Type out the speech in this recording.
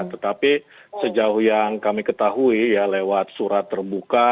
tetapi sejauh yang kami ketahui ya lewat surat terbuka